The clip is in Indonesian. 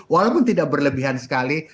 walaupun tidak berlebihan sekali